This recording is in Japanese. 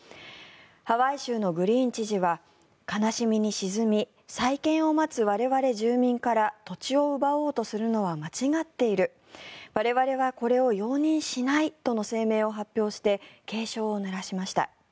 ハワイ州のグリーン知事は悲しみに沈み再建を待つ我々住民から土地を奪おうとするのは間違っている我々はこれを容認しないとの声明を発表して警鐘を鳴らしました。